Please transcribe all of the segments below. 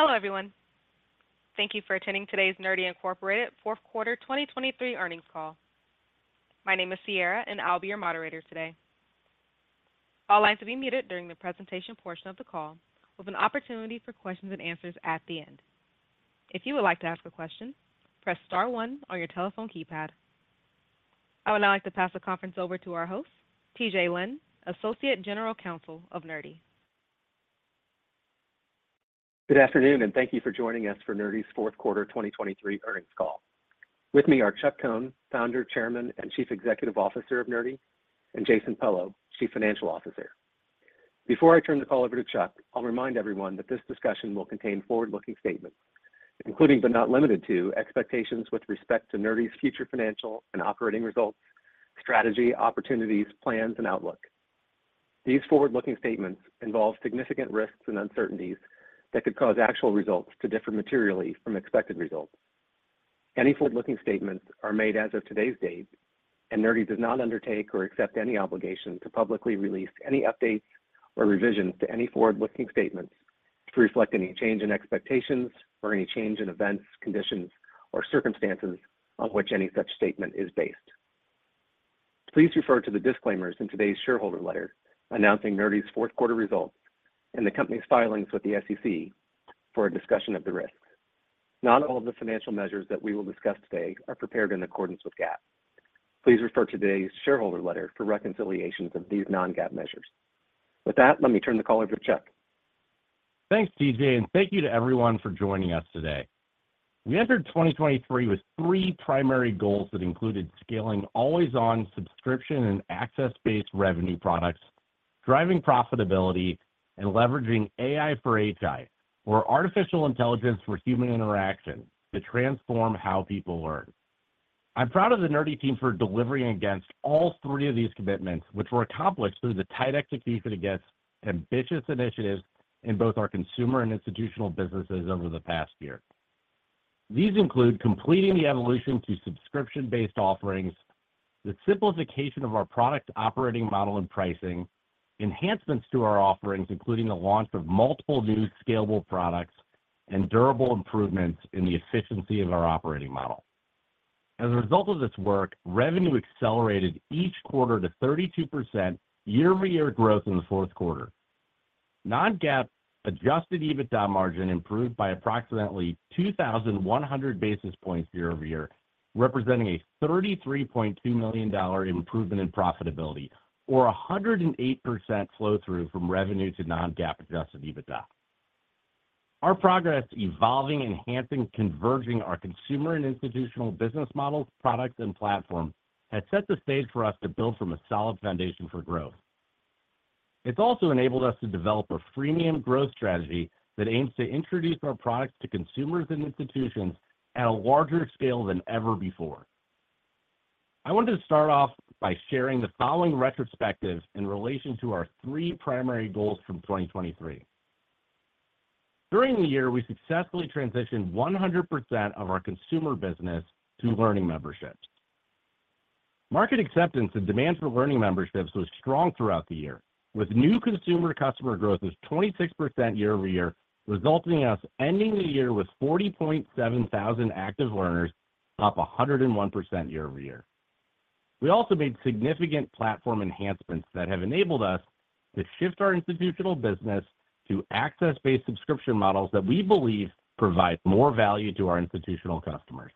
Hello everyone. Thank you for attending today's Nerdy Incorporated Q4 2023 Earnings Call. My name is Sierra, and I'll be your moderator today. All lines will be muted during the presentation portion of the call, with an opportunity for questions and answers at the end. If you would like to ask a question, press star one on your telephone keypad. I would now like to pass the conference over to our host, TJ Lynn, Associate General Counsel of Nerdy. Good afternoon, and thank you for joining us for Nerdy's Q4 2023 earnings call. With me are Chuck Cohn, Founder, Chairman, and Chief Executive Officer of Nerdy, and Jason Pello, Chief Financial Officer. Before I turn the call over to Chuck, I'll remind everyone that this discussion will contain forward-looking statements, including but not limited to expectations with respect to Nerdy's future financial and operating results, strategy, opportunities, plans, and outlook. These forward-looking statements involve significant risks and uncertainties that could cause actual results to differ materially from expected results. Any forward-looking statements are made as of today's date, and Nerdy does not undertake or accept any obligation to publicly release any updates or revisions to any forward-looking statements to reflect any change in expectations or any change in events, conditions, or circumstances on which any such statement is based. Please refer to the disclaimers in today's shareholder letter announcing Nerdy's Q4 results and the company's filings with the SEC for a discussion of the risks. Not all of the financial measures that we will discuss today are prepared in accordance with GAAP. Please refer to today's shareholder letter for reconciliations of these non-GAAP measures. With that, let me turn the call over to Chuck. Thanks, TJ, and thank you to everyone for joining us today. We entered 2023 with three primary goals that included scaling always-on subscription and access-based revenue products, driving profitability, and leveraging AI for HI, or artificial intelligence for human interaction, to transform how people learn. I'm proud of the Nerdy team for delivering against all three of these commitments, which were accomplished through the tight execution against ambitious initiatives in both our consumer and institutional businesses over the past year. These include completing the evolution to subscription-based offerings, the simplification of our product operating model and pricing, enhancements to our offerings, including the launch of multiple new scalable products, and durable improvements in the efficiency of our operating model. As a result of this work, revenue accelerated each quarter to 32% year-over-year growth in the Q4. Non-GAAP Adjusted EBITDA margin improved by approximately 2,100 basis points year-over-year, representing a $33.2 million improvement in profitability, or 108% flow-through from revenue to non-GAAP adjusted EBITDA. Our progress evolving, enhancing, converging our consumer and institutional business models, products, and platforms has set the stage for us to build from a solid foundation for growth. It's also enabled us to develop a freemium growth strategy that aims to introduce our products to consumers and institutions at a larger scale than ever before. I wanted to start off by sharing the following retrospective in relation to our three primary goals from 2023. During the year, we successfully transitioned 100% of our consumer business to learning memberships. Market acceptance and demand for learning memberships was strong throughout the year, with new consumer customer growth of 26% year-over-year, resulting in us ending the year with 40,700 active learners up 101% year-over-year. We also made significant platform enhancements that have enabled us to shift our institutional business to access-based subscription models that we believe provide more value to our institutional customers.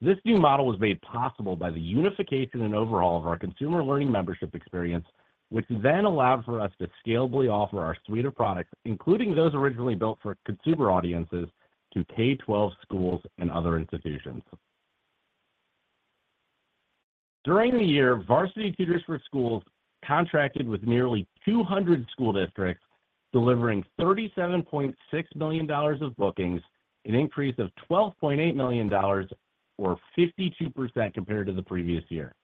This new model was made possible by the unification and overhaul of our consumer Learning Membership experience, which then allowed for us to scalably offer our suite of products, including those originally built for consumer audiences, to K-12 schools and other institutions. During the year, Varsity Tutors for Schools contracted with nearly 200 school districts, delivering $37.6 million of bookings, an increase of $12.8 million, or 52% compared to the previous year.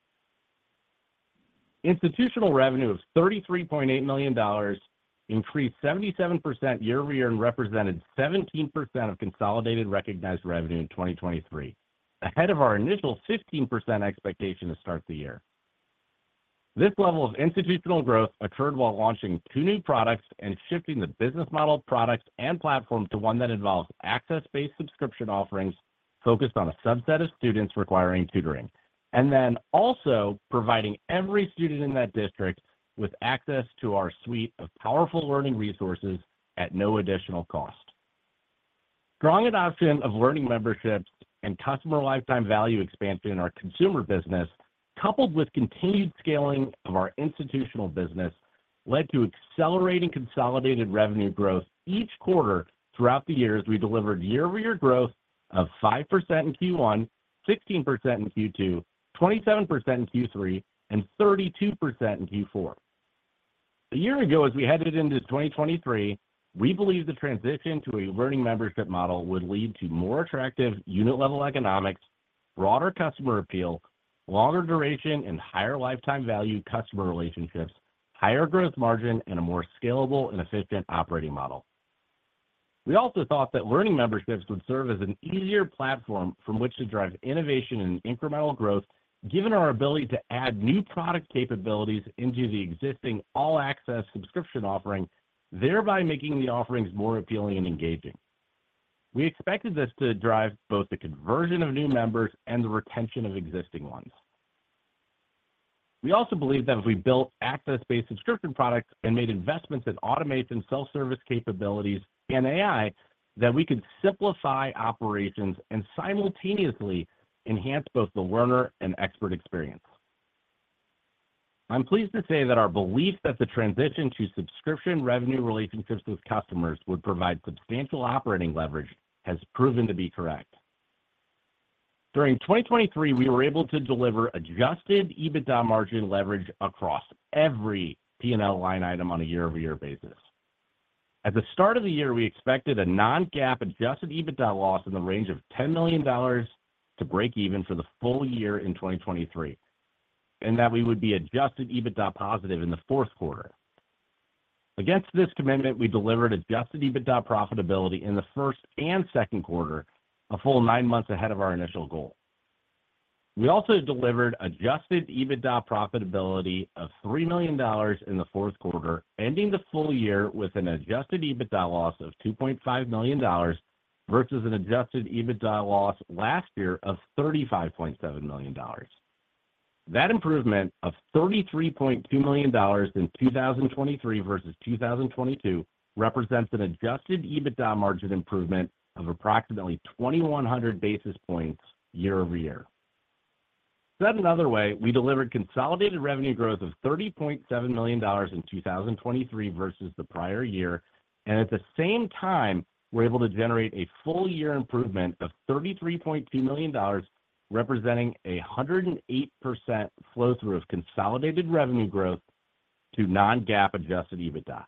Institutional revenue of $33.8 million increased 77% year-over-year and represented 17% of consolidated recognized revenue in 2023, ahead of our initial 15% expectation to start the year. This level of institutional growth occurred while launching two new products and shifting the business model products and platform to one that involves access-based subscription offerings focused on a subset of students requiring tutoring, and then also providing every student in that district with access to our suite of powerful learning resources at no additional cost. Strong adoption of learning memberships and customer lifetime value expansion in our consumer business, coupled with continued scaling of our institutional business, led to accelerating consolidated revenue growth each quarter throughout the year as we delivered year-over-year growth of 5% in Q1, 16% in Q2, 27% in Q3, and 32% in Q4. A year ago, as we headed into 2023, we believed the transition to a Learning Membership model would lead to more attractive unit-level economics, broader customer appeal, longer duration, and higher lifetime value customer relationships, higher growth margin, and a more scalable and efficient operating model. We also thought that Learning Memberships would serve as an easier platform from which to drive innovation and incremental growth, given our ability to add new product capabilities into the existing all-access subscription offering, thereby making the offerings more appealing and engaging. We expected this to drive both the conversion of new members and the retention of existing ones. We also believed that if we built access-based subscription products and made investments in automation self-service capabilities and AI, that we could simplify operations and simultaneously enhance both the learner and expert experience. I'm pleased to say that our belief that the transition to subscription revenue relationships with customers would provide substantial operating leverage has proven to be correct. During 2023, we were able to deliver Adjusted EBITDA margin leverage across every P&L line item on a year-over-year basis. At the start of the year, we expected a non-GAAP Adjusted EBITDA loss in the range of $10 million to break even for the full year in 2023, and that we would be Adjusted EBITDA positive in the fourth quarter. Against this commitment, we delivered Adjusted EBITDA profitability in the Q1 and Q2, a full nine months ahead of our initial goal. We also delivered Adjusted EBITDA profitability of $3 million in the Q4, ending the full year with an Adjusted EBITDA loss of $2.5 million versus an Adjusted EBITDA loss last year of $35.7 million. That improvement of $33.2 million in 2023 versus 2022 represents an Adjusted EBITDA margin improvement of approximately 2,100 basis points year-over-year. Said another way, we delivered consolidated revenue growth of $30.7 million in 2023 versus the prior year, and at the same time, we're able to generate a full year improvement of $33.2 million, representing a 108% flow-through of consolidated revenue growth to Non-GAAP Adjusted EBITDA.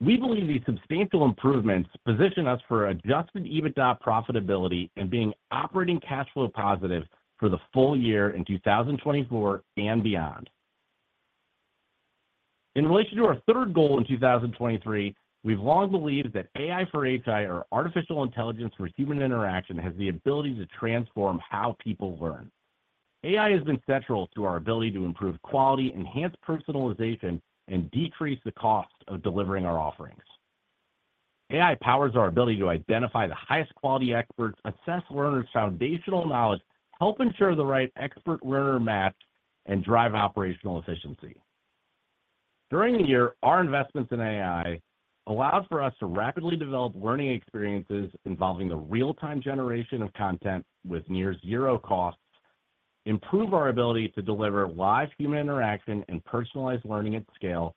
We believe these substantial improvements position us for Adjusted EBITDA profitability and being operating cash flow positive for the full year in 2024 and beyond. In relation to our third goal in 2023, we've long believed that AI for HI, or artificial intelligence for human interaction, has the ability to transform how people learn. AI has been central to our ability to improve quality, enhance personalization, and decrease the cost of delivering our offerings. AI powers our ability to identify the highest quality experts, assess learners' foundational knowledge, help ensure the right expert-learner match, and drive operational efficiency. During the year, our investments in AI allowed for us to rapidly develop learning experiences involving the real-time generation of content with near-zero costs, improve our ability to deliver live human interaction and personalized learning at scale,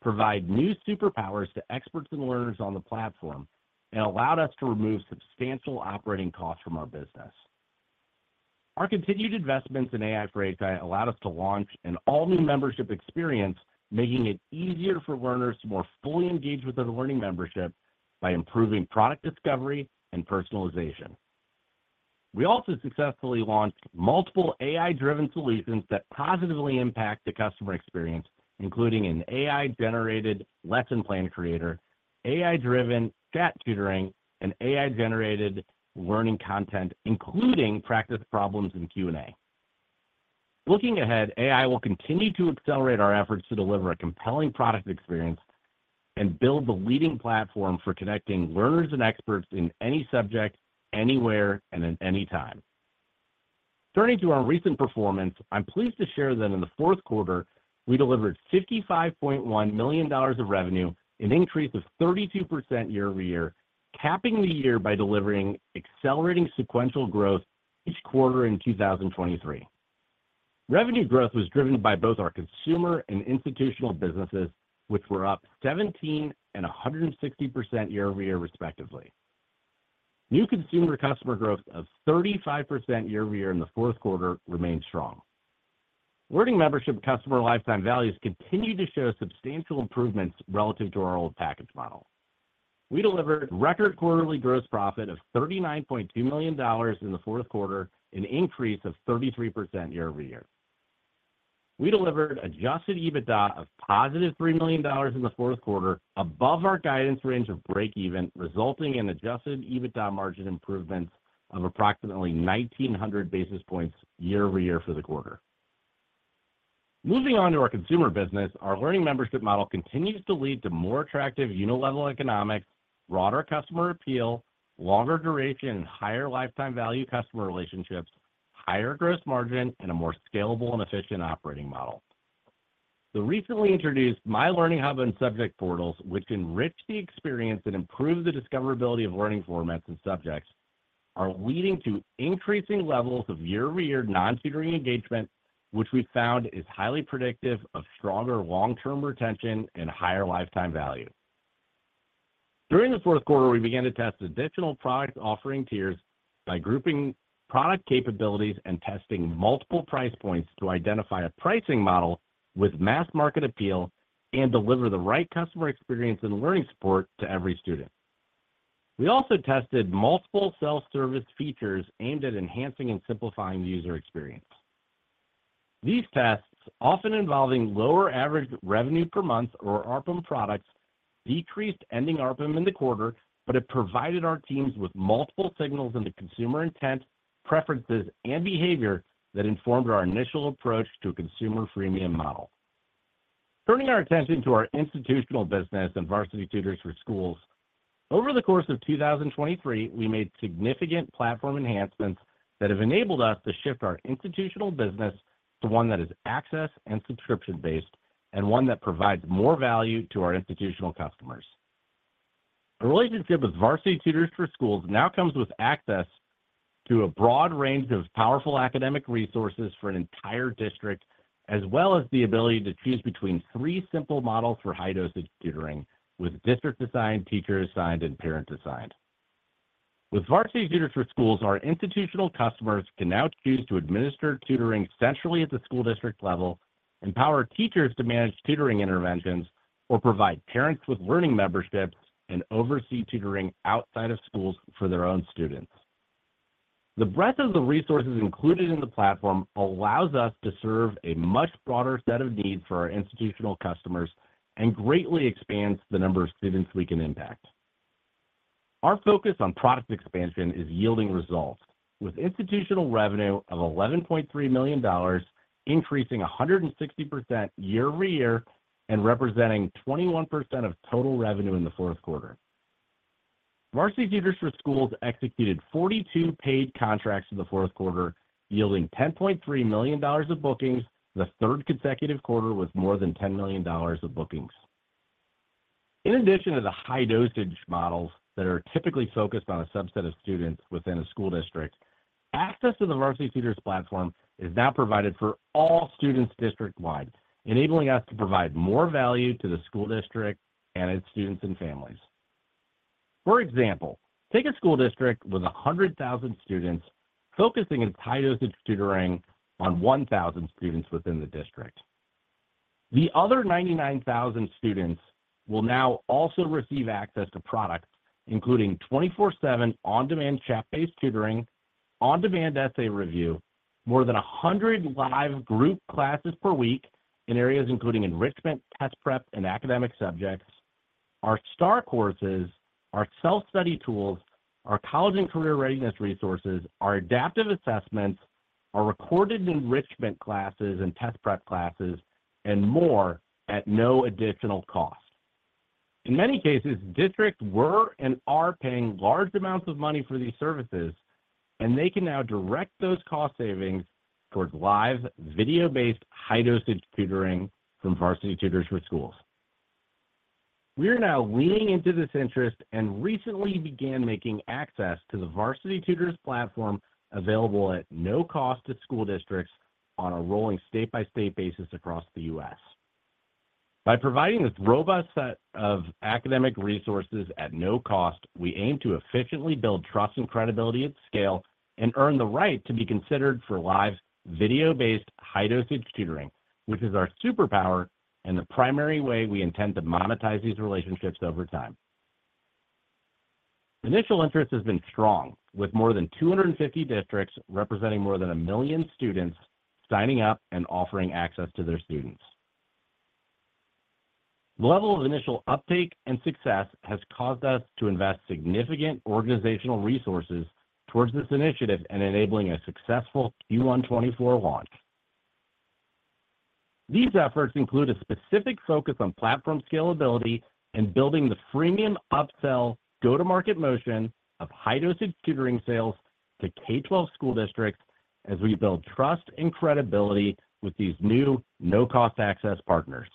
provide new superpowers to experts and learners on the platform, and allowed us to remove substantial operating costs from our business. Our continued investments in AI for live allowed us to launch an all-new membership experience, making it easier for learners to more fully engage with our Learning Membership by improving product discovery and personalization. We also successfully launched multiple AI-driven solutions that positively impact the customer experience, including an AI-generated lesson plan creator, AI-driven chat tutoring, and AI-generated learning content, including practice problems and Q&A. Looking ahead, AI will continue to accelerate our efforts to deliver a compelling product experience and build the leading platform for connecting learners and experts in any subject, anywhere, and at any time. Turning to our recent performance, I'm pleased to share that in the Q4, we delivered $55.1 million of revenue, an increase of 32% year-over-year, capping the year by delivering accelerating sequential growth each quarter in 2023. Revenue growth was driven by both our consumer and institutional businesses, which were up 17% and 160% year-over-year, respectively. New consumer customer growth of 35% year-over-year in theQ4 remained strong. Learning Membership customer lifetime values continue to show substantial improvements relative to our old package model. We delivered record quarterly gross profit of $39.2 million in the Q4, an increase of 33% year-over-year. We delivered Adjusted EBITDA of positive $3 million in the Q4, above our guidance range of break-even, resulting in Adjusted EBITDA margin improvements of approximately 1,900 basis points year-over-year for the quarter. Moving on to our consumer business, our learning membership model continues to lead to more attractive unit-level economics, broader customer appeal, longer duration, and higher lifetime value customer relationships, higher gross margin, and a more scalable and efficient operating model. The recently introduced My Learning Hub and Subject Portals, which enrich the experience and improve the discoverability of learning formats and subjects, are leading to increasing levels of year-over-year non-tutoring engagement, which we found is highly predictive of stronger long-term retention and higher lifetime value. During the Q4, we began to test additional product offering tiers by grouping product capabilities and testing multiple price points to identify a pricing model with mass market appeal and deliver the right customer experience and learning support to every student. We also tested multiple self-service features aimed at enhancing and simplifying the user experience. These tests, often involving lower average revenue per month or ARPAM products, decreased ending ARPAM in the quarter, but it provided our teams with multiple signals into consumer intent, preferences, and behavior that informed our initial approach to a consumer freemium model. Turning our attention to our institutional business and Varsity Tutors for Schools, over the course of 2023, we made significant platform enhancements that have enabled us to shift our institutional business to one that is access and subscription-based, and one that provides more value to our institutional customers. A relationship with Varsity Tutors for Schools now comes with access to a broad range of powerful academic resources for an entire district, as well as the ability to choose between three simple models for high-dosage tutoring, with district-assigned, teacher-assigned, and parent-assigned. With Varsity Tutors for Schools, our institutional customers can now choose to administer tutoring centrally at the school district level, empower teachers to manage tutoring interventions, or provide parents with Learning Memberships and oversee tutoring outside of schools for their own students. The breadth of the resources included in the platform allows us to serve a much broader set of needs for our institutional customers and greatly expands the number of students we can impact. Our focus on product expansion is yielding results, with institutional revenue of $11.3 million increasing 160% year-over-year and representing 21% of total revenue in the Q4. Varsity Tutors for Schools executed 42 paid contracts in the Q4, yielding $10.3 million of bookings. The third consecutive quarter was more than $10 million of bookings. In addition to the high-dosage models that are typically focused on a subset of students within a school district, access to the Varsity Tutors platform is now provided for all students district-wide, enabling us to provide more value to the school district and its students and families. For example, take a school district with 100,000 students focusing its high-dosage tutoring on 1,000 students within the district. The other 99,000 students will now also receive access to products, including 24/7 on-demand chat-based tutoring, on-demand essay review, more than 100 live group classes per week in areas including enrichment, test prep, and academic subjects. Our STAR Courses, our self-study tools, our college and career readiness resources, our adaptive assessments are recorded in enrichment classes and test prep classes, and more at no additional cost. In many cases, districts were and are paying large amounts of money for these services, and they can now direct those cost savings towards live video-based high-dosage tutoring from Varsity Tutors for Schools. We are now leaning into this interest and recently began making access to the Varsity Tutors platform available at no cost to school districts on a rolling state-by-state basis across the U.S. By providing this robust set of academic resources at no cost, we aim to efficiently build trust and credibility at scale and earn the right to be considered for live video-based high-dosage tutoring, which is our superpower and the primary way we intend to monetize these relationships over time. Initial interest has been strong, with more than 250 districts representing more than 1 million students signing up and offering access to their students. The level of initial uptake and success has caused us to invest significant organizational resources towards this initiative and enabling a successful Q1 2024 launch. These efforts include a specific focus on platform scalability and building the freemium upsell go-to-market motion of high-dosage tutoring sales to K-12 school districts as we build trust and credibility with these new no-cost access partners.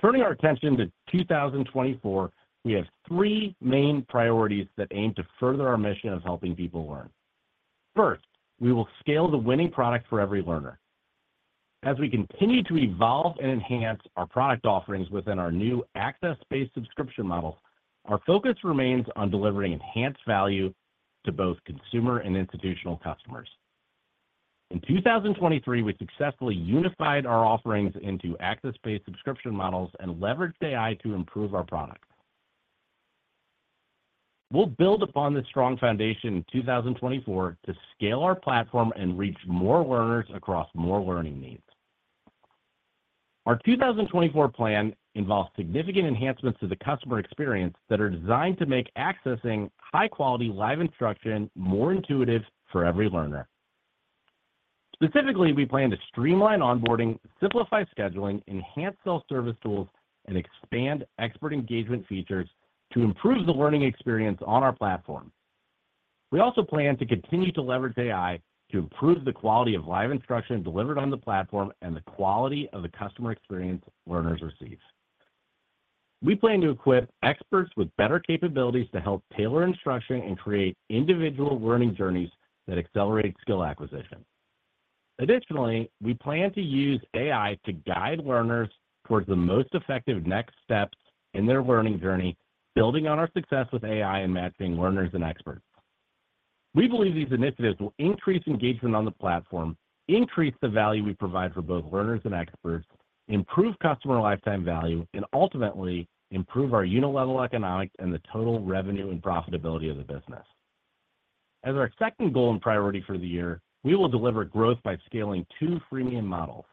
Turning our attention to 2024, we have three main priorities that aim to further our mission of helping people learn. First, we will scale the winning product for every learner. As we continue to evolve and enhance our product offerings within our new access-based subscription models, our focus remains on delivering enhanced value to both consumer and institutional customers. In 2023, we successfully unified our offerings into access-based subscription models and leveraged AI to improve our product. We'll build upon this strong foundation in 2024 to scale our platform and reach more learners across more learning needs. Our 2024 plan involves significant enhancements to the customer experience that are designed to make accessing high-quality live instruction more intuitive for every learner. Specifically, we plan to streamline onboarding, simplify scheduling, enhance self-service tools, and expand expert engagement features to improve the learning experience on our platform. We also plan to continue to leverage AI to improve the quality of live instruction delivered on the platform and the quality of the customer experience learners receive. We plan to equip experts with better capabilities to help tailor instruction and create individual learning journeys that accelerate skill acquisition. Additionally, we plan to use AI to guide learners towards the most effective next steps in their learning journey, building on our success with AI and matching learners and experts. We believe these initiatives will increase engagement on the platform, increase the value we provide for both learners and experts, improve customer lifetime value, and ultimately improve our unit-level economics and the total revenue and profitability of the business. As our second goal and priority for the year, we will deliver growth by scaling two freemium models.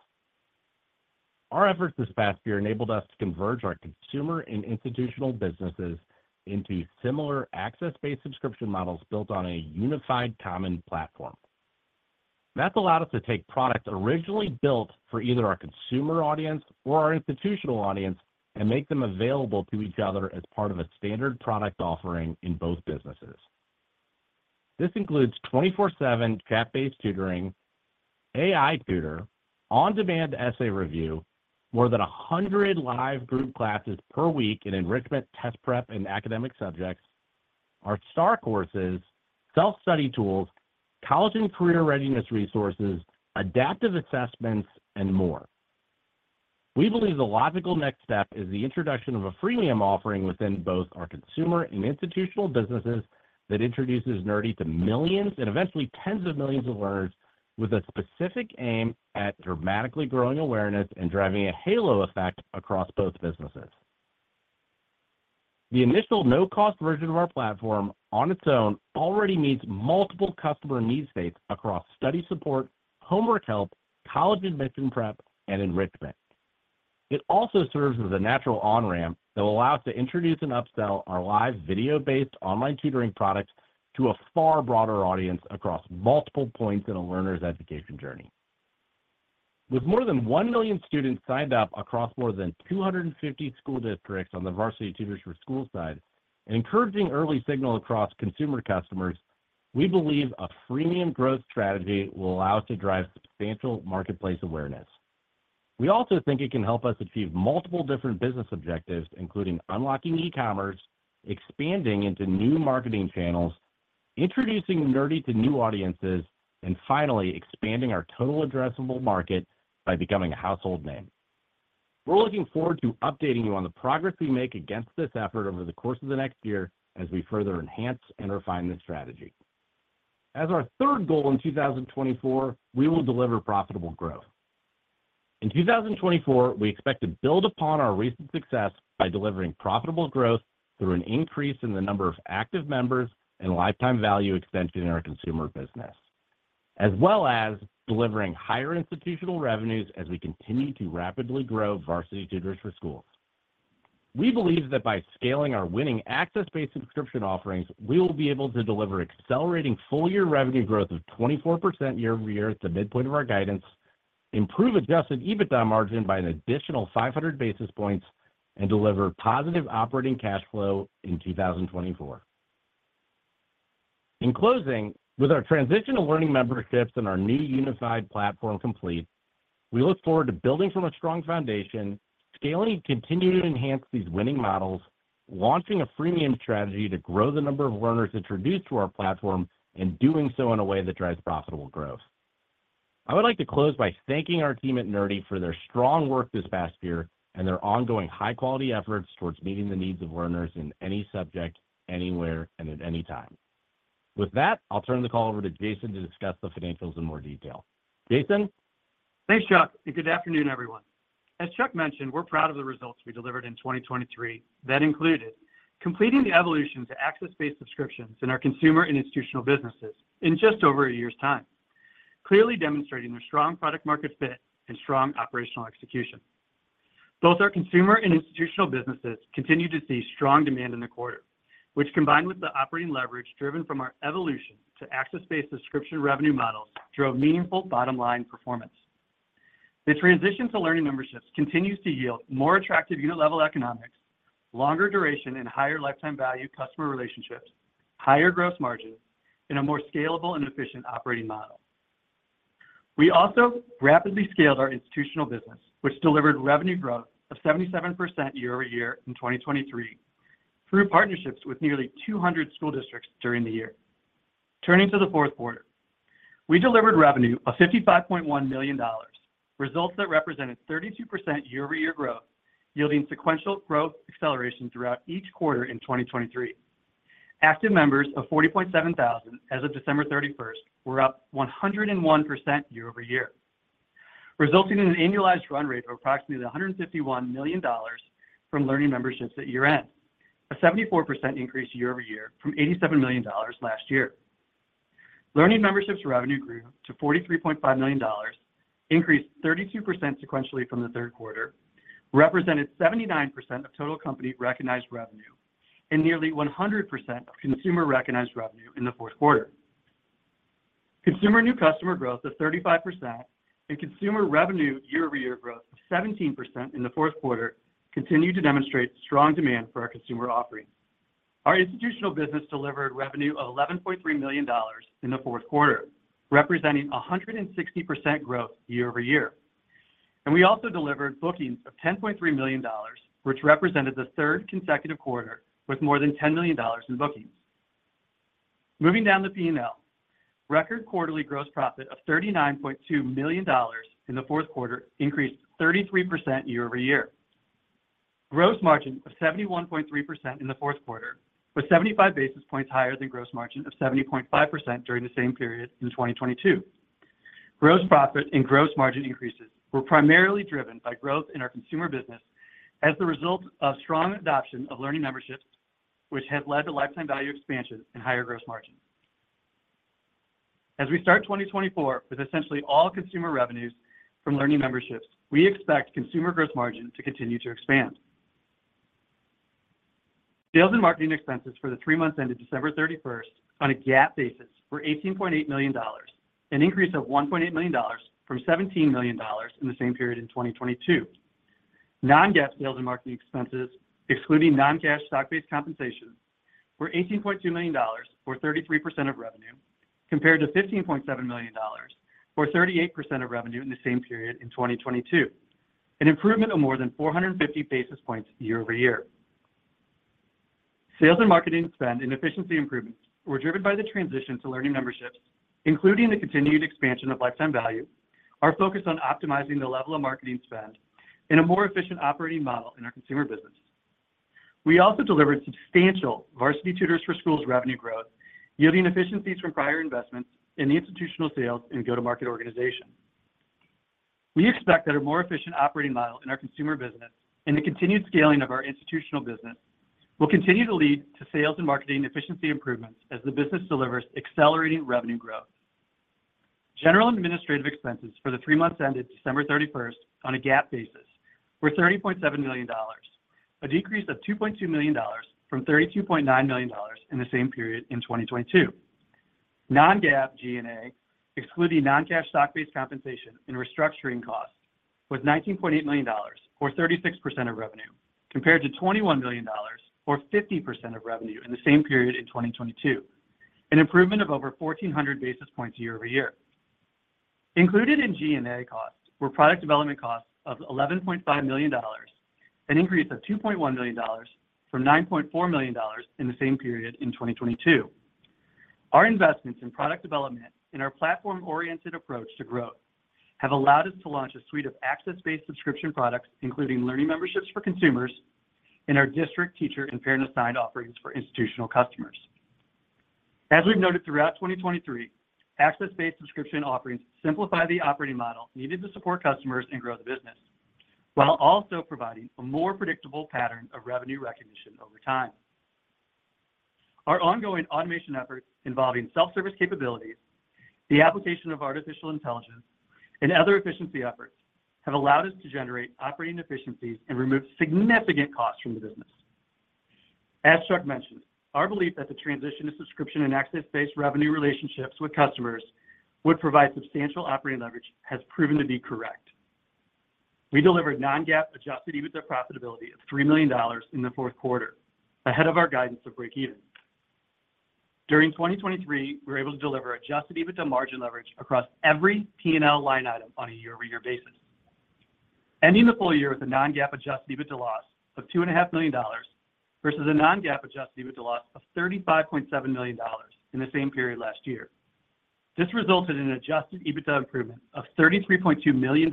Our efforts this past year enabled us to converge our consumer and institutional businesses into similar access-based subscription models built on a unified common platform. That's allowed us to take products originally built for either our consumer audience or our institutional audience and make them available to each other as part of a standard product offering in both businesses. This includes 24/7 chat-based tutoring, AI tutor, on-demand essay review, more than 100 live group classes per week in enrichment, test prep, and academic subjects, our STAR Courses, self-study tools, college and career readiness resources, adaptive assessments, and more. We believe the logical next step is the introduction of a freemium offering within both our consumer and institutional businesses that introduces Nerdy to millions and eventually tens of millions of learners with a specific aim at dramatically growing awareness and driving a halo effect across both businesses. The initial no-cost version of our platform on its own already meets multiple customer need states across study support, homework help, college admission prep, and enrichment. It also serves as a natural on-ramp that will allow us to introduce and upsell our live video-based online tutoring products to a far broader audience across multiple points in a learner's education journey. With more than 1 million students signed up across more than 250 school districts on the Varsity Tutors for Schools side and encouraging early signal across consumer customers, we believe a freemium growth strategy will allow us to drive substantial marketplace awareness. We also think it can help us achieve multiple different business objectives, including unlocking e-commerce, expanding into new marketing channels, introducing Nerdy to new audiences, and finally expanding our total addressable market by becoming a household name. We're looking forward to updating you on the progress we make against this effort over the course of the next year as we further enhance and refine this strategy. As our third goal in 2024, we will deliver profitable growth. In 2024, we expect to build upon our recent success by delivering profitable growth through an increase in the number of active members and lifetime value extension in our consumer business, as well as delivering higher institutional revenues as we continue to rapidly grow Varsity Tutors for Schools. We believe that by scaling our winning access-based subscription offerings, we will be able to deliver accelerating full-year revenue growth of 24% year-over-year at the midpoint of our guidance, improve Adjusted EBITDA margin by an additional 500 basis points, and deliver positive operating cash flow in 2024. In closing, with our transitional Learning Memberships and our new unified platform complete, we look forward to building from a strong foundation, scaling to continue to enhance these winning models, launching a freemium strategy to grow the number of learners introduced to our platform, and doing so in a way that drives profitable growth. I would like to close by thanking our team at Nerdy for their strong work this past year and their ongoing high-quality efforts towards meeting the needs of learners in any subject, anywhere, and at any time. With that, I'll turn the call over to Jason to discuss the financials in more detail. Jason? Thanks, Chuck, and good afternoon, everyone. As Chuck mentioned, we're proud of the results we delivered in 2023 that included completing the evolution to access-based subscriptions in our consumer and institutional businesses in just over a year's time, clearly demonstrating their strong product-market fit and strong operational execution. Both our consumer and institutional businesses continue to see strong demand in the quarter, which, combined with the operating leverage driven from our evolution to access-based subscription revenue models, drove meaningful bottom-line performance. The transition to Learning Memberships continues to yield more attractive unit-level economics, longer duration, and higher lifetime value customer relationships, higher gross margin, and a more scalable and efficient operating model. We also rapidly scaled our institutional business, which delivered revenue growth of 77% year-over-year in 2023 through partnerships with nearly 200 school districts during the year. Turning to the Q4, we delivered revenue of $55.1 million, results that represented 32% year-over-year growth, yielding sequential growth acceleration throughout each quarter in 2023. Active members of 40,700 as of December 31st were up 101% year-over-year, resulting in an annualized run rate of approximately $151 million from Learning Memberships at year-end, a 74% increase year-over-year from $87 million last year. Learning Memberships revenue grew to $43.5 million, increased 32% sequentially from the Q3, represented 79% of total company recognized revenue, and nearly 100% of consumer recognized revenue in the Q4. Consumer new customer growth of 35% and consumer revenue year-over-year growth of 17% in the Q4 continue to demonstrate strong demand for our consumer offerings. Our institutional business delivered revenue of $11.3 million in the Q4, representing 160% growth year-over-year. We also delivered bookings of $10.3 million, which represented the third consecutive quarter with more than $10 million in bookings. Moving down the P&L, record quarterly gross profit of $39.2 million in the Q4 increased 33% year-over-year. Gross margin of 71.3% in the Q4 was 75 basis points higher than gross margin of 70.5% during the same period in 2022. Gross profit and gross margin increases were primarily driven by growth in our consumer business as a result of strong adoption of Learning Memberships, which has led to lifetime value expansion and higher gross margin. As we start 2024 with essentially all consumer revenues from Learning Memberships, we expect consumer gross margin to continue to expand. Sales and marketing expenses for the three months ended 31 December 2023 on a GAAP basis were $18.8 million, an increase of $1.8 million from $17 million in the same period in 2022. Non-GAAP sales and marketing expenses, excluding non-cash stock-based compensations, were $18.2 million or 33% of revenue, compared to $15.7 million or 38% of revenue in the same period in 2022, an improvement of more than 450 basis points year-over-year. Sales and marketing spend and efficiency improvements were driven by the transition to learning memberships, including the continued expansion of lifetime value, our focus on optimizing the level of marketing spend, and a more efficient operating model in our consumer business. We also delivered substantial Varsity Tutors for Schools revenue growth, yielding efficiencies from prior investments in the institutional sales and go-to-market organization. We expect that our more efficient operating model in our consumer business and the continued scaling of our institutional business will continue to lead to sales and marketing efficiency improvements as the business delivers accelerating revenue growth. General and administrative expenses for the three months ended 31 December 2023 on a GAAP basis were $30.7 million, a decrease of $2.2 million from $32.9 million in the same period in 2022. Non-GAAP G&A, excluding non-cash stock-based compensation and restructuring costs, was $19.8 million or 36% of revenue, compared to $21 million or 50% of revenue in the same period in 2022, an improvement of over 1,400 basis points year-over-year. Included in G&A costs were product development costs of $11.5 million, an increase of $2.1 million from $9.4 million in the same period in 2022. Our investments in product development and our platform-oriented approach to growth have allowed us to launch a suite of access-based subscription products, including Learning Memberships for consumers and our district teacher and parent-assigned offerings for institutional customers. As we've noted throughout 2023, access-based subscription offerings simplify the operating model needed to support customers and grow the business while also providing a more predictable pattern of revenue recognition over time. Our ongoing automation efforts involving self-service capabilities, the application of artificial intelligence, and other efficiency efforts have allowed us to generate operating efficiencies and remove significant costs from the business. As Chuck mentioned, our belief that the transition to subscription and access-based revenue relationships with customers would provide substantial operating leverage has proven to be correct. We delivered non-GAAP Adjusted EBITDA profitability of $3 million in the Q4, ahead of our guidance of break-even. During 2023, we were able to deliver Adjusted EBITDA margin leverage across every P&L line item on a year-over-year basis, ending the full year with a non-GAAP Adjusted EBITDA loss of $2.5 million versus a non-GAAP Adjusted EBITDA loss of $35.7 million in the same period last year. This resulted in an Adjusted EBITDA improvement of $33.2 million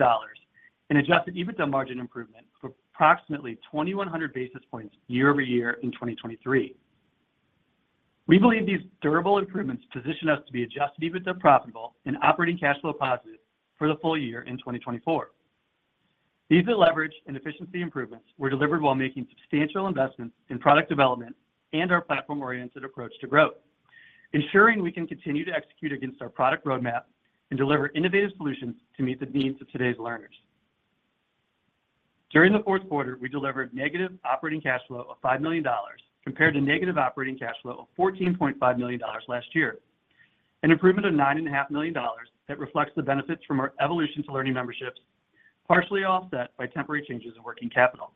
and Adjusted EBITDA margin improvement of approximately 2,100 basis points year-over-year in 2023. We believe these durable improvements position us to be Adjusted EBITDA profitable and operating cash flow positive for the full year in 2024. These leverage and efficiency improvements were delivered while making substantial investments in product development and our platform-oriented approach to growth, ensuring we can continue to execute against our product roadmap and deliver innovative solutions to meet the needs of today's learners. During theQ4, we delivered negative operating cash flow of $5 million compared to negative operating cash flow of $14.5 million last year, an improvement of $9.5 million that reflects the benefits from our evolution to Learning Memberships, partially offset by temporary changes in working capital.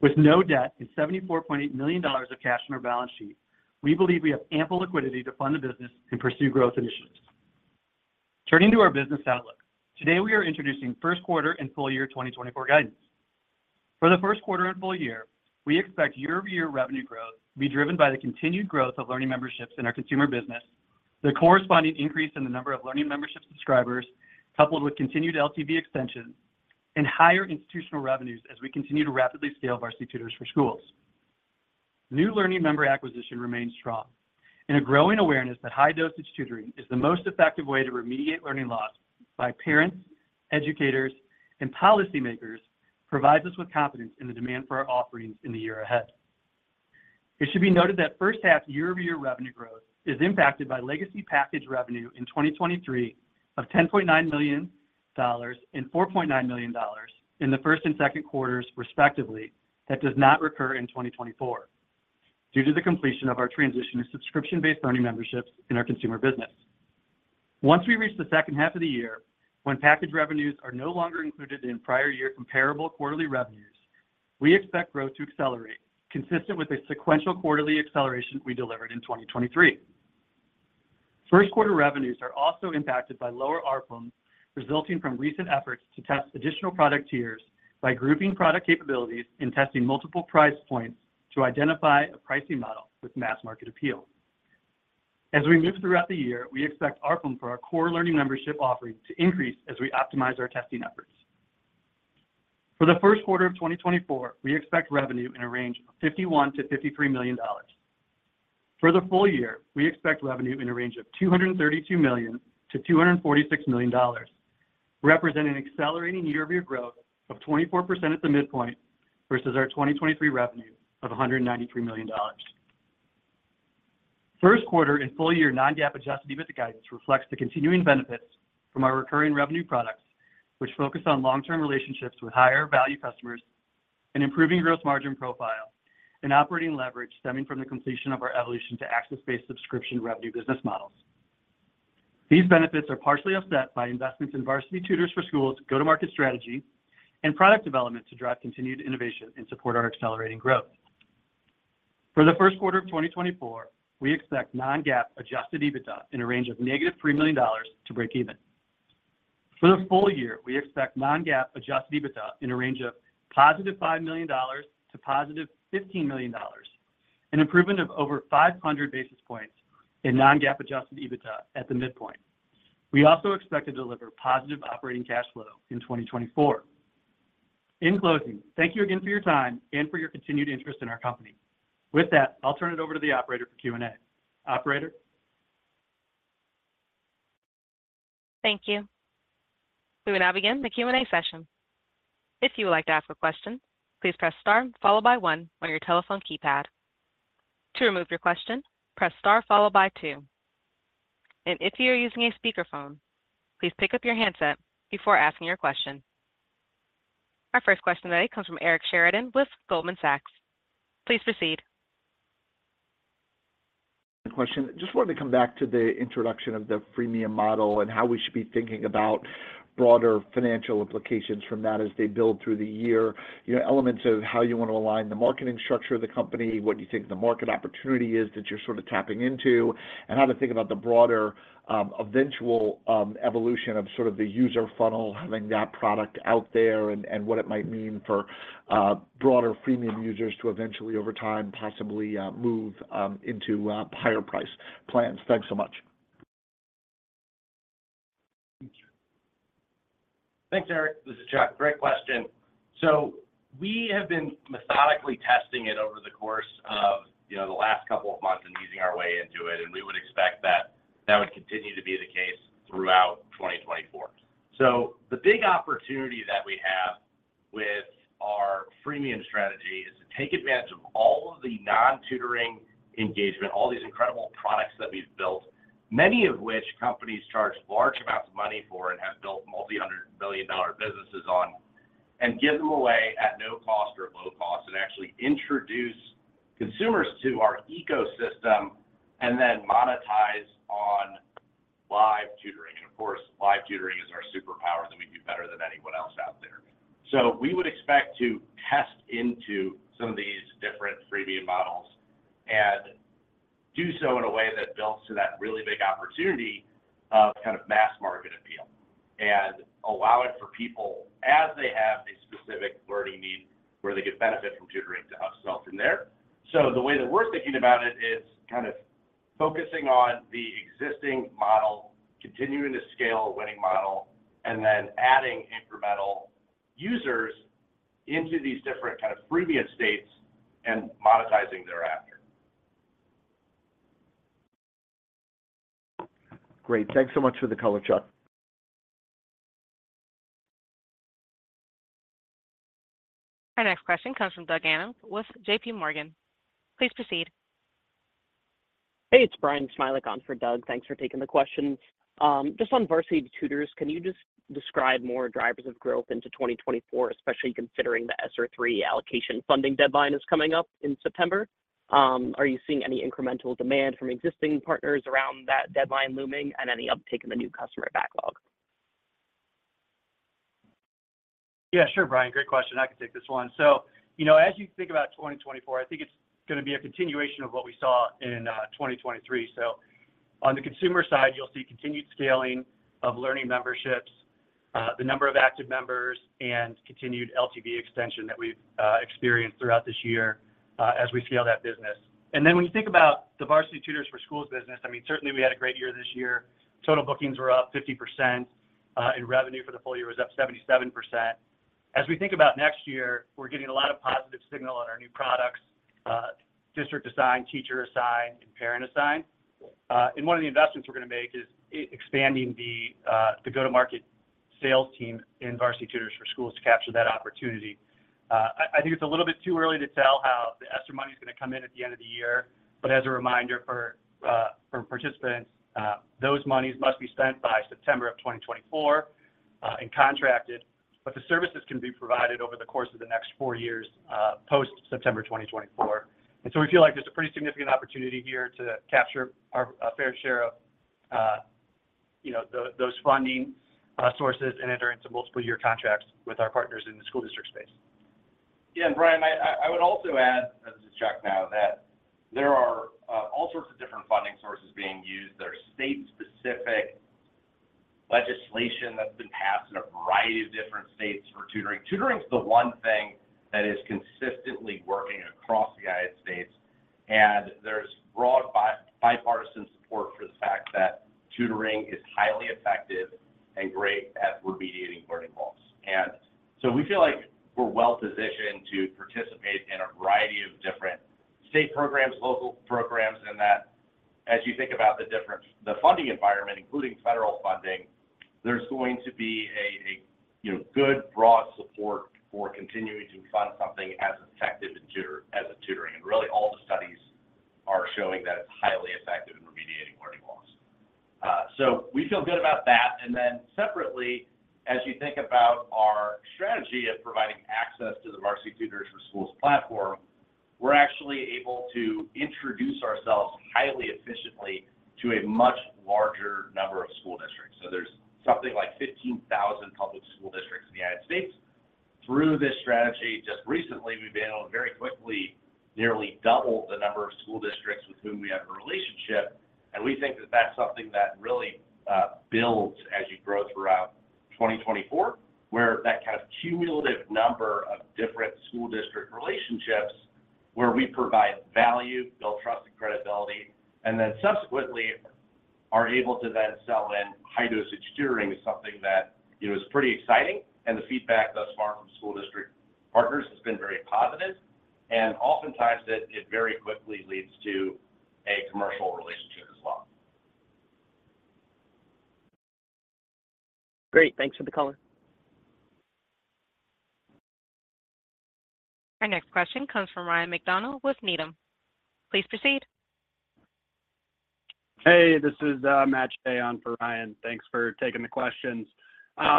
With no debt and $74.8 million of cash on our balance sheet, we believe we have ample liquidity to fund the business and pursue growth initiatives. Turning to our business outlook, today we are introducing Q1 and full year 2024 guidance. For the Q1 and full year, we expect year-over-year revenue growth to be driven by the continued growth of Learning Memberships in our consumer business, the corresponding increase in the number of Learning Memberships subscribers coupled with continued LTV extension, and higher institutional revenues as we continue to rapidly scale Varsity Tutors for Schools. New Learning Member acquisition remains strong, and a growing awareness that high-dosage tutoring is the most effective way to remediate learning loss by parents, educators, and policymakers provides us with confidence in the demand for our offerings in the year ahead. It should be noted that first-half year-over-year revenue growth is impacted by legacy package revenue in 2023 of $10.9 million and $4.9 million in the Q1 and Q2, respectively, that does not recur in 2024 due to the completion of our transition to subscription-based Learning Memberships in our consumer business. Once we reach the second half of the year, when package revenues are no longer included in prior-year comparable quarterly revenues, we expect growth to accelerate, consistent with a sequential quarterly acceleration we delivered in 2023. Q1 revenues are also impacted by lower ARPM, resulting from recent efforts to test additional product tiers by grouping product capabilities and testing multiple price points to identify a pricing model with mass market appeal. As we move throughout the year, we expect ARPM for our core Learning Membership offering to increase as we optimize our testing efforts. For the first quarter of 2024, we expect revenue in a range of $51-$53 million. For the full year, we expect revenue in a range of $232 million-$246 million, representing accelerating year-over-year growth of 24% at the midpoint versus our 2023 revenue of $193 million. Q1 and full year non-GAAP adjusted EBITDA guidance reflects the continuing benefits from our recurring revenue products, which focus on long-term relationships with higher-value customers, an improving gross margin profile, and operating leverage stemming from the completion of our evolution to access-based subscription revenue business models. These benefits are partially offset by investments in Varsity Tutors for Schools' go-to-market strategy and product development to drive continued innovation and support our accelerating growth. For the Q1 of 2024, we expect non-GAAP adjusted EBITDA in a range of -$3 million to break-even. For the full year, we expect non-GAAP adjusted EBITDA in a range of +$5 million to +$15 million, an improvement of over 500 basis points in non-GAAP adjusted EBITDA at the midpoint. We also expect to deliver positive operating cash flow in 2024. In closing, thank you again for your time and for your continued interest in our company. With that, I'll turn it over to the operator for Q&A. Operator? Thank you. We will now begin the Q&A session. If you would like to ask a question, please press star followed by one on your telephone keypad. To remove your question, press star followed by two. And if you are using a speakerphone, please pick up your handset before asking your question. Our first question today comes from Eric Sheridan with Goldman Sachs. Please proceed. Question. Just wanted to come back to the introduction of the freemium model and how we should be thinking about broader financial implications from that as they build through the year, elements of how you want to align the marketing structure of the company, what you think the market opportunity is that you're sort of tapping into, and how to think about the broader eventual evolution of sort of the user funnel, having that product out there, and what it might mean for broader freemium users to eventually, over time, possibly move into higher-priced plans. Thanks so much. Thank you. Thanks, Eric. This is Chuck. Great question. So we have been methodically testing it over the course of the last couple of months and easing our way into it. And we would expect that that would continue to be the case throughout 2024. So the big opportunity that we have with our freemium strategy is to take advantage of all of the non-tutoring engagement, all these incredible products that we've built, many of which companies charge large amounts of money for and have built multi-hundred-million-dollar businesses on, and give them away at no cost or low cost, and actually introduce consumers to our ecosystem and then monetize on live tutoring. And of course, live tutoring is our superpower that we do better than anyone else out there. So we would expect to test into some of these different freemium models and do so in a way that builds to that really big opportunity of kind of mass market appeal and allowing for people, as they have a specific learning need, where they could benefit from tutoring to hustle out from there. So the way that we're thinking about it is kind of focusing on the existing model, continuing to scale a winning model, and then adding incremental users into these different kind of freemium states and monetizing thereafter. Great. Thanks so much for the color, Chuck. Our next question comes from Doug Anmuth with JP Morgan. Please proceed. Hey, it's Bryan Smilek on for Doug. Thanks for taking the questions. Just on Varsity Tutors, can you just describe more drivers of growth into 2024, especially considering the ESSER III allocation funding deadline is coming up in September? Are you seeing any incremental demand from existing partners around that deadline looming and any uptake in the new customer backlog? Yeah, sure, Bryan. Great question. I can take this one. So as you think about 2024, I think it's going to be a continuation of what we saw in 2023. So on the consumer side, you'll see continued scaling of Learning Memberships, the number of active members, and continued LTV extension that we've experienced throughout this year as we scale that business. And then when you think about the Varsity Tutors for Schools business, I mean, certainly, we had a great year this year. Total bookings were up 50%, and revenue for the full year was up 77%. As we think about next year, we're getting a lot of positive signal on our new products, district-assigned, teacher-assigned, and parent-assigned. And one of the investments we're going to make is expanding the go-to-market sales team in Varsity Tutors for Schools to capture that opportunity. I think it's a little bit too early to tell how the ESSER money is going to come in at the end of the year. But as a reminder for participants, those monies must be spent by September of 2024 and contracted, but the services can be provided over the course of the next four years post-September 2024. And so we feel like there's a pretty significant opportunity here to capture our fair share of those funding sources and enter into multiple-year contracts with our partners in the school district space. Yeah, and Bryan, I would also add,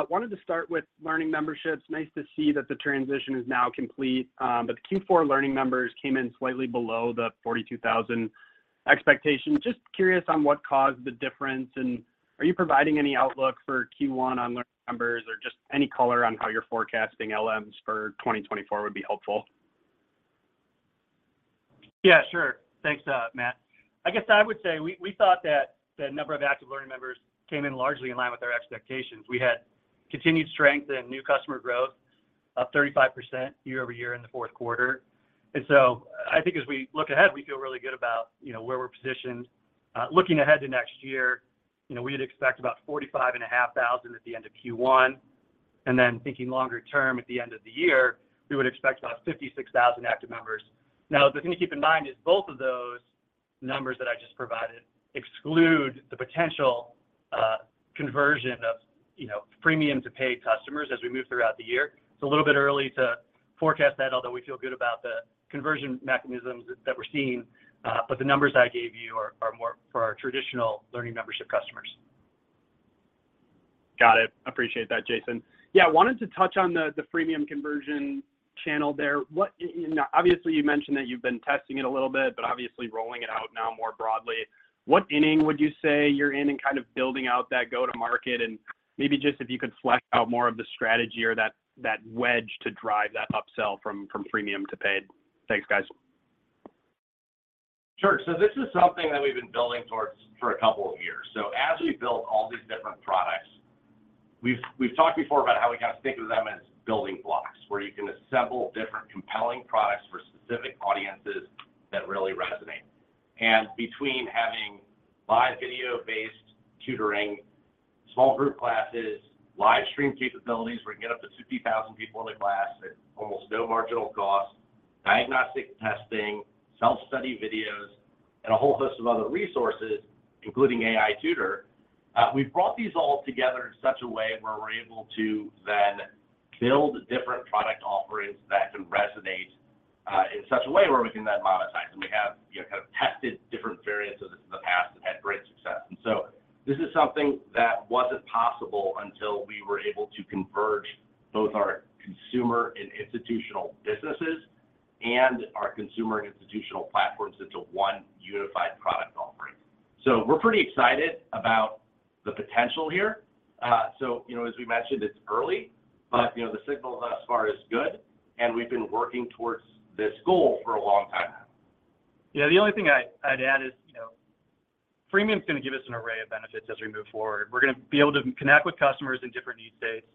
Wanted to start with Learning Memberships. Nice to see that the transition is now complete. But the Q4 learning members came in slightly below the 42,000 expectation. Just curious on what caused the difference. And are you providing any outlook for Q1 on learning members or just any color on how you're forecasting LMs for 2024 would be helpful? Yeah, sure. Thanks, Matt. I guess I would say we thought that the number of active learning members came in largely in line with our expectations. We had continued strength and new customer growth, up 35% year-over-year in the Q4. And so I think as we look ahead, we feel really good about where we're positioned. Looking ahead to next year, we would expect about 45,500 at the end of Q1. And then thinking longer-term, at the end of the year, we would expect about 56,000 active members. Now, the thing to keep in mind is both of those numbers that I just provided exclude the potential conversion of freemium-to-paid customers as we move throughout the year. It's a little bit early to forecast that, although we feel good about the conversion mechanisms that we're seeing. But the numbers I gave you are more for our traditional Learning Membership customers. Got it. Appreciate that, Jason. Yeah, I wanted to touch on the freemium conversion channel there. Obviously, you mentioned that you've been testing it a little bit, but obviously rolling it out now more broadly. What inning would you say you're in in kind of building out that go-to-market? And maybe just if you could flesh out more of the strategy or that wedge to drive that upsell from freemium to paid. Thanks, guys. Sure. So this is something that we've been building towards for a couple of years. So as we build all these different products, we've talked before about how we kind of think of them as building blocks, where you can assemble different compelling products for specific audiences that really resonate. And between having live video-based tutoring, small group classes, live stream capabilities where you can get up to 50,000 people in a class at almost no marginal cost, diagnostic testing, self-study videos, and a whole host of other resources, including AI Tutor, we've brought these all together in such a way where we're able to then build different product offerings that can resonate in such a way where we can then monetize. And we have kind of tested different variants of this in the past that had great success. This is something that wasn't possible until we were able to converge both our consumer and institutional businesses and our consumer and institutional platforms into one unified product offering. We're pretty excited about the potential here. As we mentioned, it's early, but the signal thus far is good. We've been working towards this goal for a long time now. Yeah, the only thing I'd add is freemium is going to give us an array of benefits as we move forward. We're going to be able to connect with customers in different need states,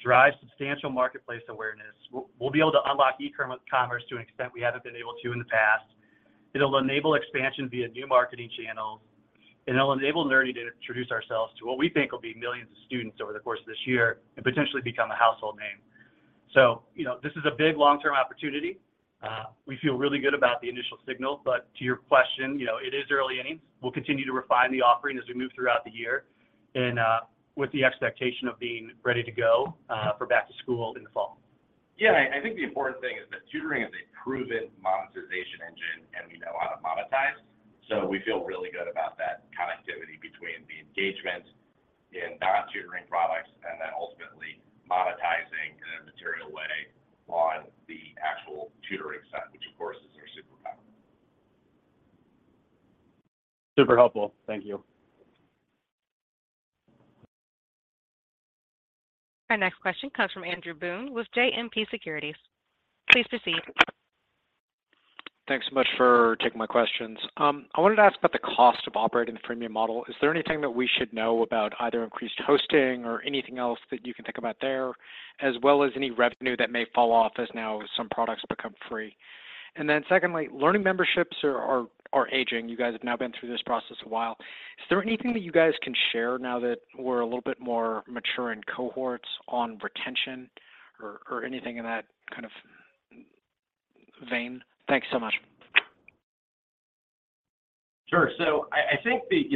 drive substantial marketplace awareness. We'll be able to unlock e-commerce to an extent we haven't been able to in the past. It'll enable expansion via new marketing channels. And it'll enable Nerdy to introduce ourselves to what we think will be millions of students over the course of this year and potentially become a household name. So this is a big long-term opportunity. We feel really good about the initial signal. But to your question, it is early inning. We'll continue to refine the offering as we move throughout the year with the expectation of being ready to go for back-to-school in the fall. Yeah, I think the important thing is that tutoring is a proven monetization engine, and we know how to monetize. So we feel really good about that connectivity between the engagement in non-tutoring products and then ultimately monetizing in a material way on the actual tutoring site, which, of course, is our superpower. Super helpful. Thank you. Our next question comes from Andrew Boone with JMP Securities. Please proceed. Thanks so much for taking my questions. I wanted to ask about the cost of operating the freemium model. Is there anything that we should know about either increased hosting or anything else that you can think about there, as well as any revenue that may fall off as now some products become free? And then secondly, learning memberships are aging. You guys have now been through this process a while. Is there anything that you guys can share now that we're a little bit more mature in cohorts on retention or anything in that kind of vein? Thanks so much. Sure. So I think the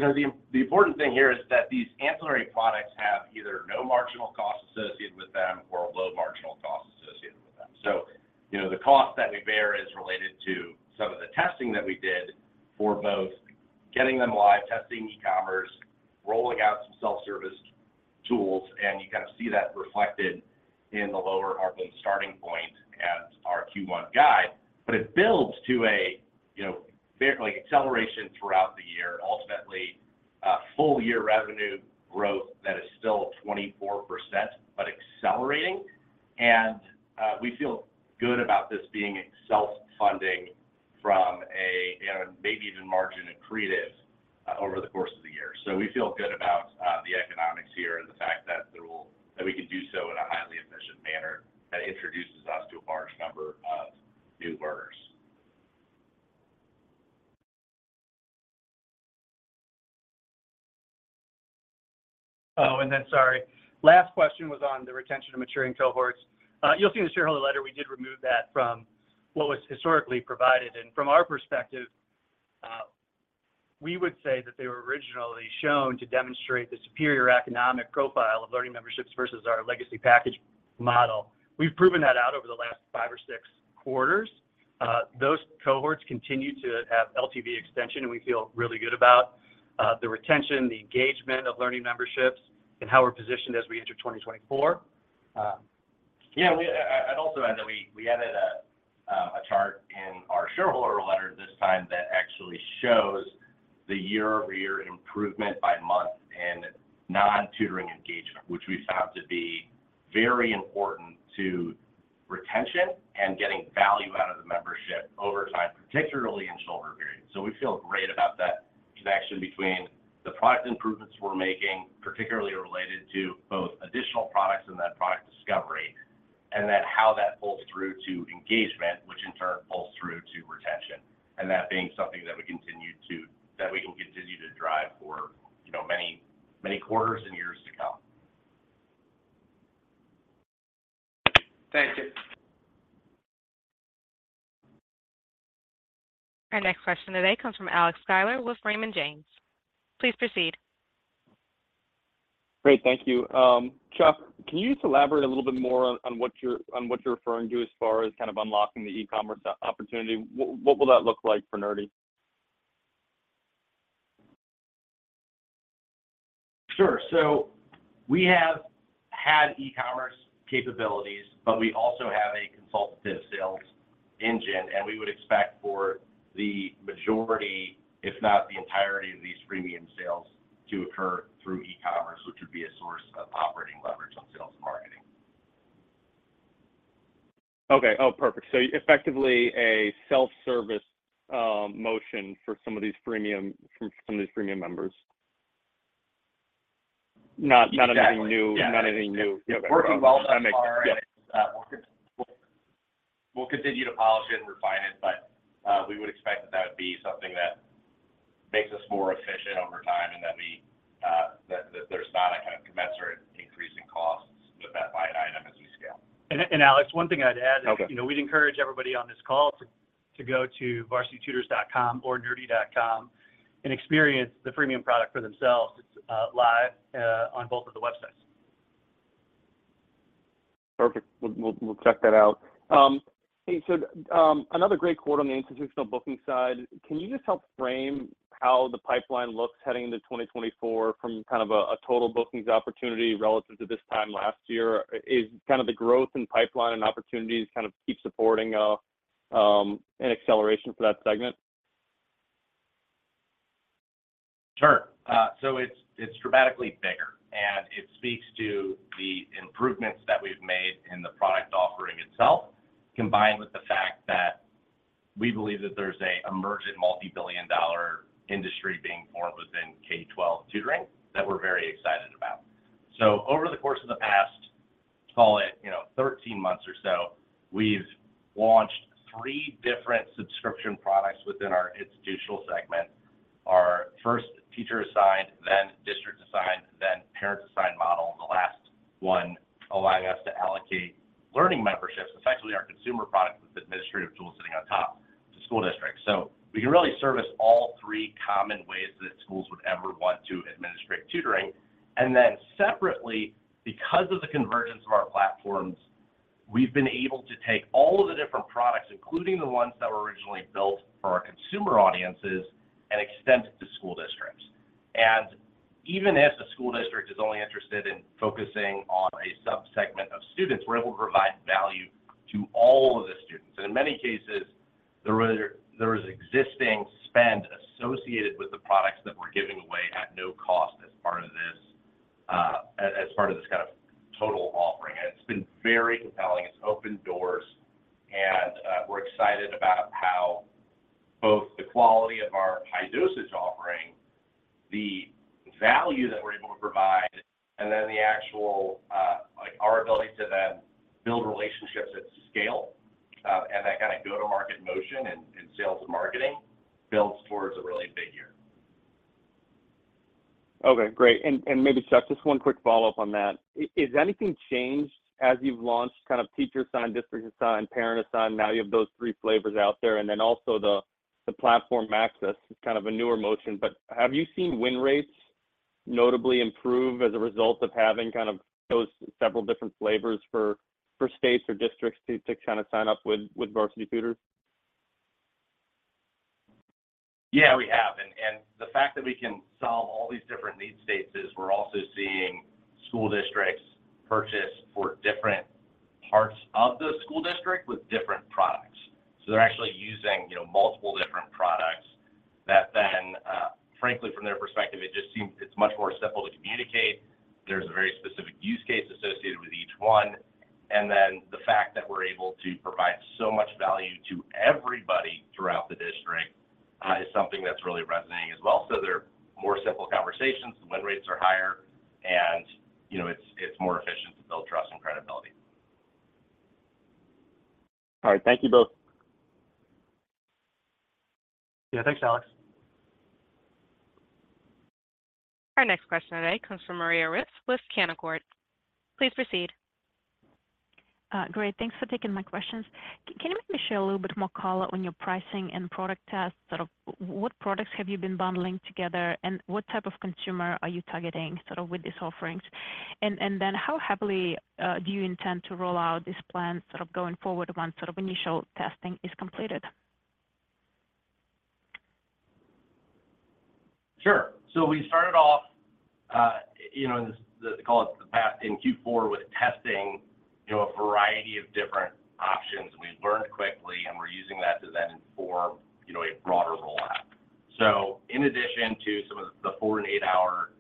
important thing here is that these ancillary products have either no marginal cost associated with them or low marginal cost associated with them. So the cost that we bear is related to some of the testing that we did for both getting them live, testing e-commerce, rolling out some self-service tools. And you kind of see that reflected in the lower, our little starting point and our Q1 guide. But it builds to an acceleration throughout the year and ultimately full-year revenue growth that is still 24% but accelerating. And we feel good about this being self-funding from a, maybe even margin accretive over the course of the year. So we feel good about the economics here and the fact that we can do so in a highly efficient manner that introduces us to a large number of new learners. Oh, and then sorry. Last question was on the retention of maturing cohorts. You'll see in the shareholder letter, we did remove that from what was historically provided. And from our perspective, we would say that they were originally shown to demonstrate the superior economic profile of Learning Memberships versus our legacy package model. We've proven that out over the last five or six quarters. Those cohorts continue to have LTV extension, and we feel really good about the retention, the engagement of Learning Memberships, and how we're positioned as we enter 2024. Yeah, and I'd also add that we added a chart in our shareholder letter this time that actually shows the year-over-year improvement by month in non-tutoring engagement, which we found to be very important to retention and getting value out of the membership over time, particularly in shoulder periods. So we feel great about that connection between the product improvements we're making, particularly related to both additional products and then product discovery, and then how that pulls through to engagement, which in turn pulls through to retention, and that being something that we can continue to drive for many quarters and years to come. Thank you. Our next question today comes from Alex Sklar with Raymond James. Please proceed. Great. Thank you. Chuck, can you just elaborate a little bit more on what you're referring to as far as kind of unlocking the e-commerce opportunity? What will that look like for Nerdy? Sure. We have had e-commerce capabilities, but we also have a consultative sales engine. We would expect for the majority, if not the entirety, of these freemium sales to occur through e-commerce, which would be a source of operating leverage on sales and marketing. Okay. Oh, perfect. So effectively, a self-service motion for some of these Freemium from some of these Freemium members. Not anything new. Not anything new. Yeah. Yeah. Working well enough. We'll continue to polish it and refine it, but we would expect that that would be something that makes us more efficient over time and that there's not a kind of commensurate increase in costs with that line item as we scale. Alex, one thing I'd add is we'd encourage everybody on this call to go to varsitytutors.com or nerdy.com and experience the freemium product for themselves. It's live on both of the websites. Perfect. We'll check that out. Hey, so another great quote on the institutional booking side. Can you just help frame how the pipeline looks heading into 2024 from kind of a total bookings opportunity relative to this time last year? Is kind of the growth in pipeline and opportunities kind of keep supporting an acceleration for that segment? Sure. So it's dramatically bigger. And it speaks to the improvements that we've made in the product offering itself, combined with the fact that we believe that there's an emergent multi-billion dollar industry being formed within K-12 tutoring that we're very excited about. So over the course of the past, call it 13 months or so, we've launched three different subscription products within our institutional segment: our first teacher-assigned, then district-assigned, then parent-assigned model, the last one allowing us to allocate Learning Memberships, effectively our consumer products with administrative tools sitting on top, to school districts. So we can really service all three common ways that schools would ever want to administrate tutoring. And then separately, because of the convergence of our platforms, we've been able to take all of the different products, including the ones that were originally built for our consumer audiences, and extend it to school districts. And even if a school district is only interested in focusing on a subsegment of students, we're able to provide value to all of the students. And in many cases, there is existing spend associated with the products that we're giving away at no cost as part of this kind of total offering. And it's been very compelling. It's opened doors. And we're excited about how both the quality of our high-dosage offering, the value that we're able to provide, and then our ability to then build relationships at scale and that kind of go-to-market motion and sales and marketing builds towards a really big year. Okay. Great. And maybe, Chuck, just one quick follow-up on that. Is anything changed as you've launched kind of teacher-assigned, district-assigned, parent-assigned? Now you have those three flavors out there. And then also the platform access is kind of a newer motion. But have you seen win rates notably improve as a result of having kind of those several different flavors for states or districts to kind of sign up with Varsity Tutors? Yeah, we have. And the fact that we can solve all these different need states is we're also seeing school districts purchase for different parts of the school district with different products. So they're actually using multiple different products that then, frankly, from their perspective, it just seems it's much more simple to communicate. There's a very specific use case associated with each one. And then the fact that we're able to provide so much value to everybody throughout the district is something that's really resonating as well. So they're more simple conversations. The win rates are higher. And it's more efficient to build trust and credibility. All right. Thank you both. Yeah. Thanks, Alex. Our next question today comes from Maria Ripps with Canaccord. Please proceed. Great. Thanks for taking my questions. Can you maybe share a little bit more color on your pricing and product tests? Sort of what products have you been bundling together? And what type of consumer are you targeting sort of with these offerings? And then how rapidly do you intend to roll out this plan sort of going forward once sort of initial testing is completed? Sure. So we started off in the call in Q4 with testing a variety of different options. We learned quickly. We're using that to then inform a broader rollout. In addition to some of the four- and eight-hour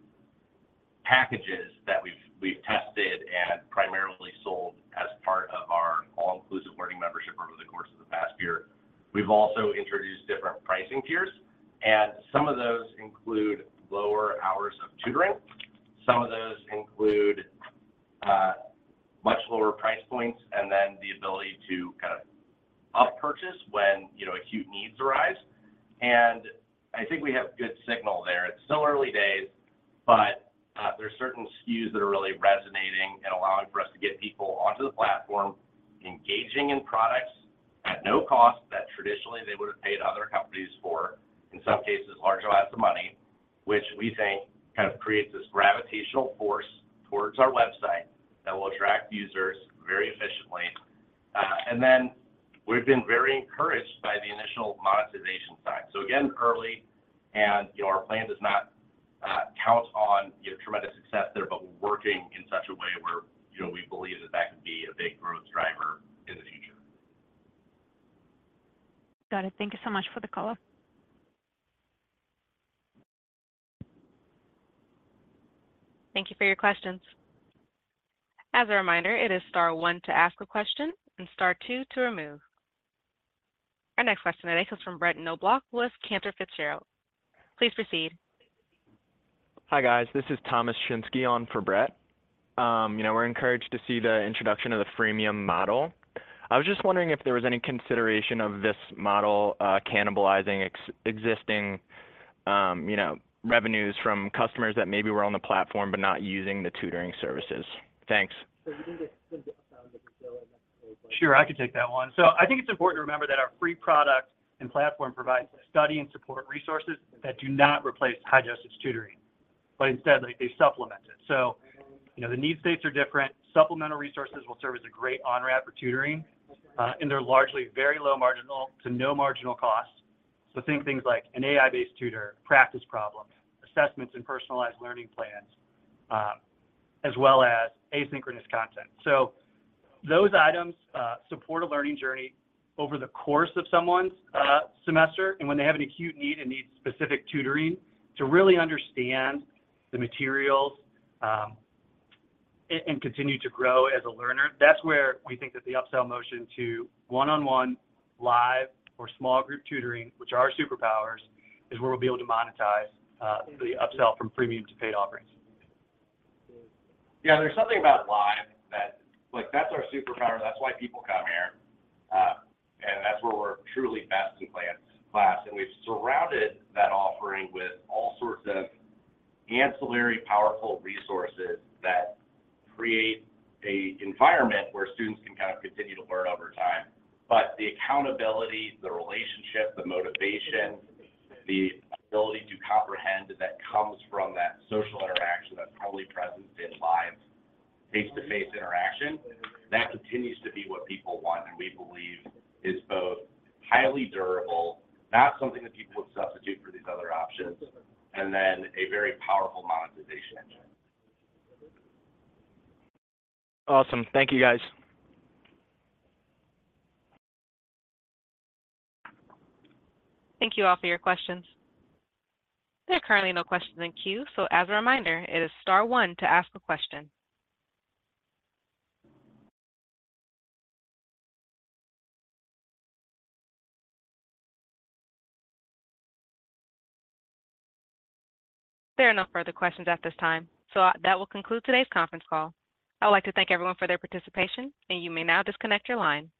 packages that we've tested and primarily sold as part of our all-inclusive Learning Membership over the course of the past year, we've also introduced different pricing tiers. Some of those include lower hours of tutoring. Some of those include much lower price points and then the ability to kind of up-purchase when acute needs arise. I think we have good signal there. It's still early days, but there's certain SKUs that are really resonating and allowing for us to get people onto the platform, engaging in products at no cost that traditionally they would have paid other companies for, in some cases, larger amounts of money, which we think kind of creates this gravitational force towards our website that will attract users very efficiently. And then we've been very encouraged by the initial monetization side. So again, early. And our plan does not count on tremendous success there, but we're working in such a way where we believe that that could be a big growth driver in the future. Got it. Thank you so much for the color. Thank you for your questions. As a reminder, it is star one to ask a question and star two to remove. Our next question today comes from Brett Knoblauch with Cantor Fitzgerald. Please proceed. Hi, guys. This is Thomas Shynsky on for Brett. We're encouraged to see the introduction of the freemium model. I was just wondering if there was any consideration of this model cannibalizing existing revenues from customers that maybe were on the platform but not using the tutoring services. Thanks. Sure. I can take that one. So I think it's important to remember that our free product and platform provides study and support resources that do not replace high-dosage tutoring, but instead, they supplement it. So the need states are different. Supplemental resources will serve as a great on-ramp for tutoring. And they're largely very low marginal to no marginal cost. So think things like an AI-based tutor, practice problems, assessments, and personalized learning plans, as well as asynchronous content. So those items support a learning journey over the course of someone's semester. And when they have an acute need and need specific tutoring to really understand the materials and continue to grow as a learner, that's where we think that the upsell motion to one-on-one, live, or small group tutoring, which are our superpowers, is where we'll be able to monetize the upsell from freemium to paid offerings. Yeah. There's something about live that that's our superpower. That's why people come here. And that's where we're truly best in class. And we've surrounded that offering with all sorts of ancillary, powerful resources that create an environment where students can kind of continue to learn over time. But the accountability, the relationship, the motivation, the ability to comprehend that comes from that social interaction that's heavily present in live face-to-face interaction, that continues to be what people want. And we believe is both highly durable, not something that people would substitute for these other options, and then a very powerful monetization engine. Awesome. Thank you, guys. Thank you all for your questions. There are currently no questions in queue. So as a reminder, it is star one to ask a question. There are no further questions at this time. So that will conclude today's conference call. I would like to thank everyone for their participation, and you may now disconnect your line.